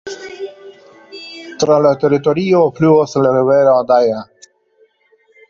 Tra la teritorio fluas la rivero Adaja.